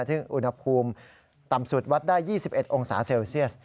ซึ่งอุณหภูมิต่ำสุดวัดได้๒๑องศาเซลเซียส